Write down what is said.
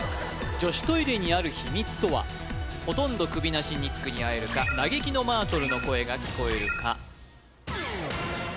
女子トイレにある秘密とはほとんど首無しニックに会えるか嘆きのマートルの声が聞こえるか